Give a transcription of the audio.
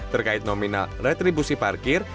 terkait nominal retribusi parkir